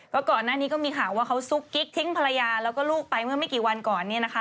ก็ก่อนหน้านี้ก็มีข่าวว่าเขาซุกกิ๊กทิ้งภรรยาแล้วก็ลูกไปเมื่อไม่กี่วันก่อนเนี่ยนะคะ